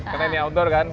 karena ini outdoor kan